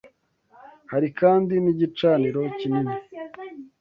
Hari kandi n’igicaniro kinini